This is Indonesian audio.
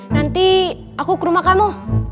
nanti aku ke rumah kamu